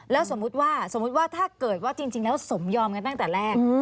แล้วสมมุติว่าสมมุติว่าถ้าเกิดว่าจริงแล้วสมยอมกันตั้งแต่แรก